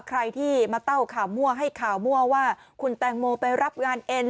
ใครที่มาเต้าข่าวมั่วให้ข่าวมั่วว่าคุณแตงโมไปรับงานเอ็น